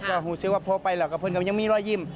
ก็หูซิว่าพอไปแล้วก็เพื่อนก็ยังมีรอยยิ้ม